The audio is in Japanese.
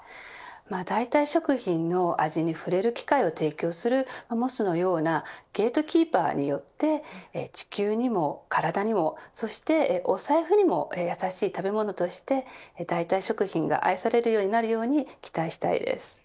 代替食品の味に触れる機会を提供するモスのようなゲートキーパーによって地球にも体にもそしてお財布にも優しい食べ物として代替食品が愛されるように期待したいです。